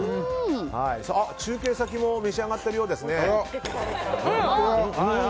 中継先も召し上がっているようですね。